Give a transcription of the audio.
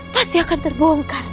pasti akan terbongkar nek